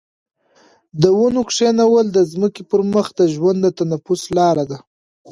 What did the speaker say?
د ونو کښېنول د ځمکې پر مخ د ژوند د تنفس لاره ده.